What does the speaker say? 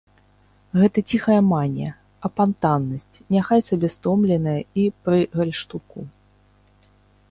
Гэта ціхая манія, апантанасць, няхай сабе стомленая і пры гальштуку.